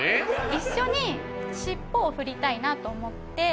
一緒に尻尾を振りたいなと思って。